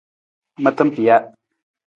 Mata pija.